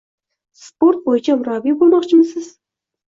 Sport bo‘yicha murabbiy bo‘lmoqchimisiz?